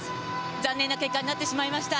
残念な結果になってしまいました。